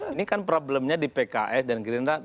ini kan problemnya di pks dan gerindra